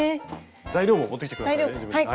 材料も持ってきて下さいね